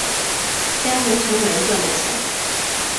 家庭成员赚的钱